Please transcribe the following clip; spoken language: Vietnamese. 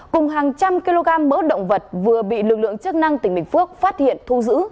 cùng hàng trăm kg mỡ động vật vừa bị lực lượng chức năng tỉnh bình phước phát hiện thu giữ